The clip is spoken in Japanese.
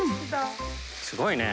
すごいね。